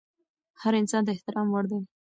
هر انسان د احترام وړ دی.